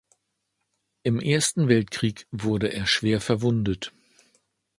Im Ersten Weltkrieg wurde er schwer verwundet.